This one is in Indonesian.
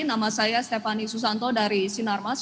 nama saya stephanie susanto dari sinarmas